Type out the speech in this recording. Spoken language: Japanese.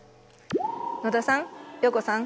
野田さん陽子さん